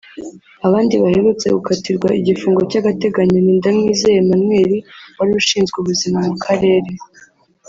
Abandi baherutse gukatirwa igifungo cy’agateganyo ni Ndamwizeye Emmanuel wari ushinzwe ubuzima mu karere